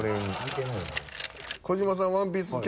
児嶋さん。